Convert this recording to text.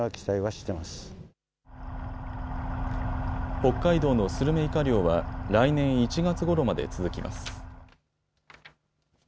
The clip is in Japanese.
北海道のスルメイカ漁は来年１月ごろまで続きます。